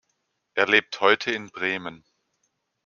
Er lebt heute in Bremen.